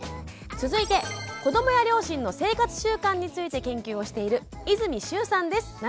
続いて子どもや両親の生活習慣について研究をしている泉秀生さんです。